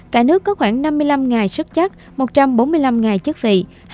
cả nước có khoảng năm mươi năm ngài sức chắc một trăm bốn mươi năm ngài chức vị